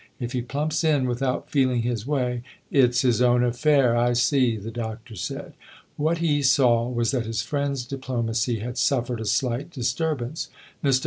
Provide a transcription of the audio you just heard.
If he plumps in without feeling his way "" It's his own affair I see," the Doctor said. What he saw was that his friend's diplomacy had suffered a slight disturbance. Mr.